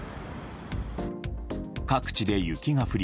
各地で雪が降り